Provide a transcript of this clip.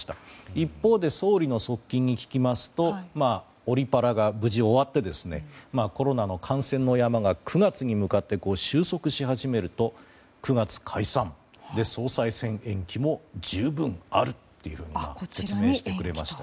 一方で総理の側近に聞きますとオリパラが無事に終わってコロナの感染の山が９月に向かって収束し始めると９月解散、総裁選延期も十分あるというふうに説明してくれました。